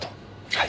はい。